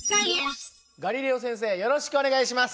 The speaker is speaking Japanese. ガリレオ先生よろしくお願いします。